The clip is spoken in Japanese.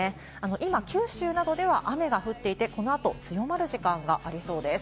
今、九州などでは雨が降っていて、このあと強まる時間がありそうです。